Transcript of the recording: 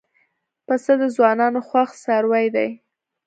پسه د ځوانانو خوښ څاروی دی.